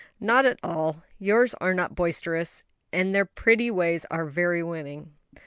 "Not at all; yours are not boisterous, and their pretty ways are very winning."